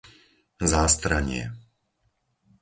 Zástranie